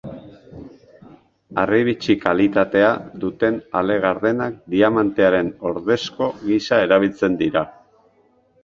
Harribitxi-kalitatea duten ale gardenak diamantearen ordezko gisa erabiltzen dira.